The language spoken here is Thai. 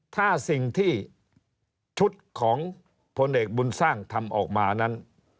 ถ้าสิ่งที่ชุดของพลเอกบุญสร้างทำออกมานั้น